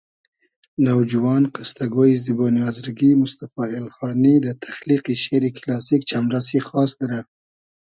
نوجوان قستۂ گۉیی زیبونی آزرگی موستئفا ایلخانی دۂ تئخلیقی شېری کیلاسیک چئمرئسی خاس دیرۂ